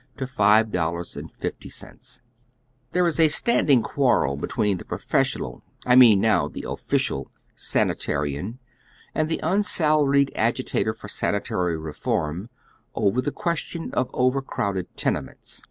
Tliere is a standing quarrel between the professional — I mean now the official — sanitarian and the nnsalai ied agi tator for sanitary I'cform over the question of overcrowd ed tenements.